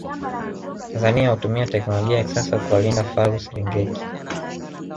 Tanzania hutumia teknolojia ya kisasa kuwalinda faru Serengeti